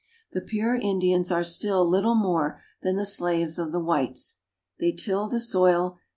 The pure Indians are still little more than the slaves of the whites. They till the soil.